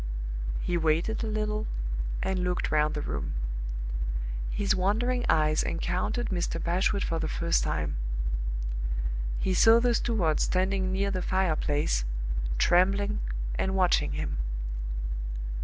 '" He waited a little and looked round the room. His wandering eyes encountered Mr. Bashwood for the first time. He saw the steward standing near the fireplace, trembling, and watching him.